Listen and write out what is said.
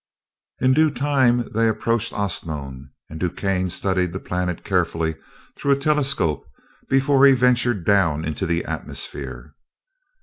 In due time they approached Osnome, and DuQuesne studied the planet carefully through a telescope before he ventured down into the atmosphere.